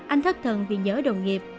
anh thất thần vì nhớ đồng nghiệp